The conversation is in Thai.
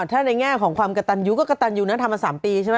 ถ้าในแง่ของความกระตันยูก็กระตันอยู่นะทำมา๓ปีใช่ไหม